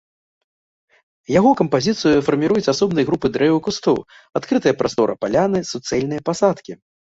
Яго кампазіцыю фарміруюць асобныя групы дрэў і кустоў, адкрытая прастора паляны, суцэльныя пасадкі.